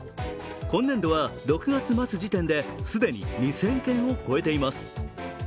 今年度は６月末時点で既に２０００件を超えています。